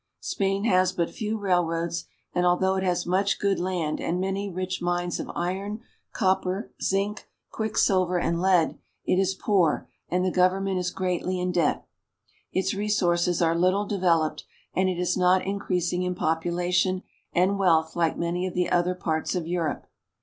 Spain has but few railroads; and although it has much good land and many rich mines of iron, copper, zinc, quick silver, and lead, it is poor and the government is greatly in debt. Its resources are little developed, and it is not increas ing in population and wealth like many of the other parts of Europe.